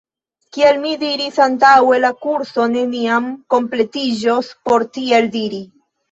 Kiel mi diris antaŭe la kurso neniam kompletiĝos por tiel diri.